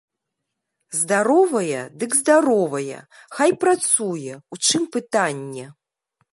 Здаровая, дык здаровая, хай працуе, у чым пытанне.